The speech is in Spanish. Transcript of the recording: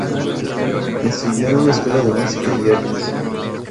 Estudió en una escuela de Música y Artes.